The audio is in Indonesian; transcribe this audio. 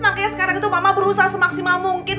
makanya sekarang itu mama berusaha semaksimal mungkin